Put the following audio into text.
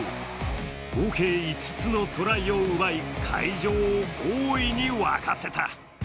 合計５つのトライを奪い会場を大いに沸かせた。